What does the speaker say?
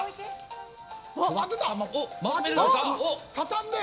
畳んで。